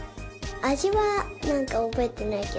あじはなんかおぼえてないけど。